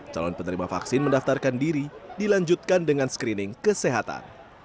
calon penerima vaksin mendaftarkan diri dilanjutkan dengan screening kesehatan